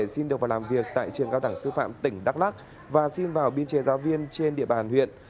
xin được vào làm việc tại trường cao đẳng sư phạm tỉnh đắk lắc và xin vào biên chế giáo viên trên địa bàn huyện